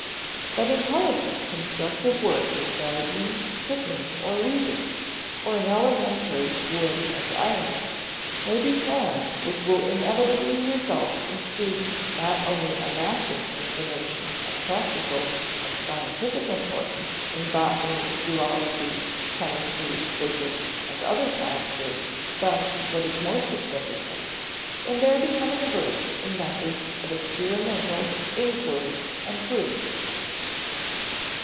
But intelligent consecutive work in gardening, cooking, or weaving, or in elementary wood and iron, may be planned which will inevitably result in students not only amassing information of practical and scientific importance in botany, zoölogy, chemistry, physics, and other sciences, but (what is more significant) in their becoming versed in methods of experimental inquiry and proof.